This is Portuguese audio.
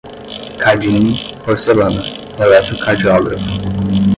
cadinho, porcelana, eletrocardiógrafo